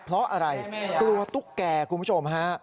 เพราะอะไรกลัวตุ๊กแก่คุณผู้ชมฮะ